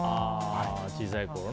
小さいころね。